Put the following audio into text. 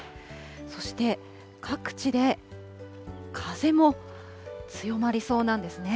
そして各地で風も強まりそうなんですね。